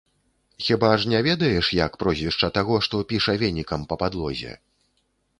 Хіба ж не ведаеш, як прозвішча таго, што піша венікам па падлозе?